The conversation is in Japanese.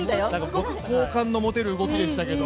すごく好感の持てる動きでしたけど。